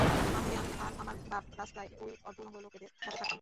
নাহলে আমি আর আমার বাব রাস্তায় ওই অর্ধ উলঙ্গ লোকেদের সাথে থাকতাম।